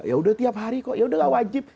ya udah tiap hari kok yaudahlah wajib